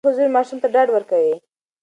د مور حضور ماشوم ته ډاډ ورکوي.